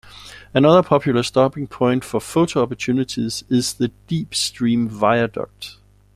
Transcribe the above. Another popular stopping point for photo opportunities is the Deep Stream viaduct.